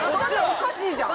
おかしいじゃん！